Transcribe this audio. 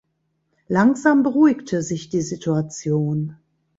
Langsam beruhigte sich die Situation.